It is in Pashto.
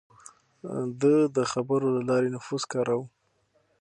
ده د خبرو له لارې نفوذ کاراوه.